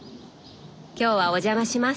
今日はお邪魔します。